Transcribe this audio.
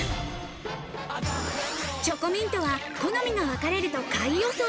チョコミントは好みが分かれると下位予想。